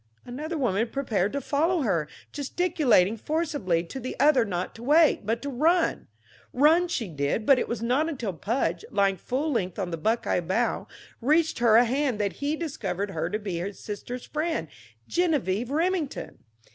Another woman prepared to follow her, gesticulating forcibly to the other not to wait, but to run. Run she did, but it was not until Pudge, lying full length on the buckeye bough, reached her a hand that he discovered her to be his sister's friend, Geneviève Remington.